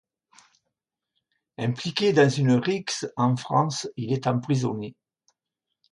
Impliqué dans une rixe en France, il y est emprisonné.